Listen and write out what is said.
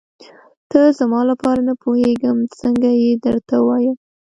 ته زما لپاره نه پوهېږم څنګه یې درته ووايم.